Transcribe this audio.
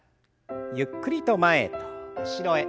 ゆっくりと前と後ろへ。